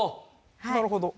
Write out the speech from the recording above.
なるほど。